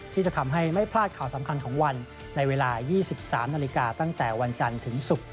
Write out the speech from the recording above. ที่จะทำให้ไม่พลาดข่าวสำคัญของวันในเวลา๒๓นาฬิกาตั้งแต่วันจันทร์ถึงศุกร์